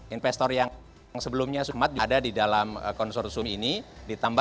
investor yang sebelumnya ada di dalam konsortium ini ditambah